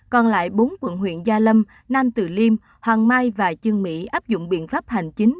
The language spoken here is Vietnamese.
còn lại bốn quận huyện gia lâm nam tử liêm hoàng mai và trương mỹ áp dụng biện pháp hành chính